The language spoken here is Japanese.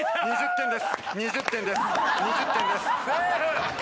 ２０点です。